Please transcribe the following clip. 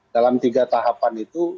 dalam tiga tahapan itu